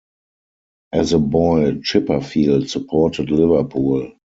As a boy, Chipperfield supported Liverpool.